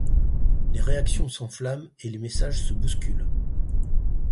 Les réactions s'enflamment et les messages se bousculent.